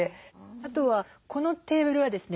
あとはこのテーブルはですね